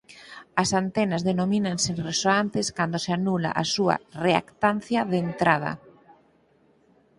As antenas denomínanse resoantes cando se anula a súa reactancia de entrada.